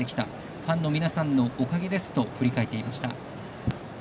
ファンの皆さんのおかげです」と振り返っていました。